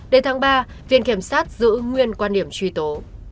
đến tháng ba viện kiểm sát giữ nguyên quan điểm truy tố